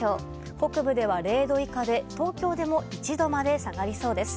北部では０度以下で東京も１度まで下がりそうです。